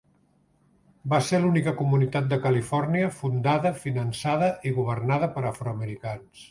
Va ser l'única comunitat de Califòrnia fundada, finançada i governada per afroamericans.